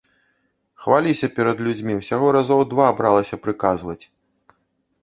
Хваліся перад людзьмі ўсяго разоў два бралася прыказваць.